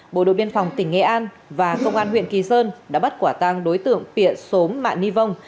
bộ đội biên phòng tỉnh nghệ an và công an huyện kỳ sơn đã bắt quả tăng đối tượng piện sốm mạ ni vông